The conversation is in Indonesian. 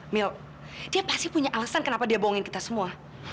mil dia pasti punya alasan kenapa dia bohongin kita semua